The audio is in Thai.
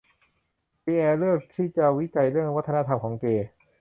ปีแอร์เลือกที่จะวิจัยเรื่องวัฒนธรรมของเกย์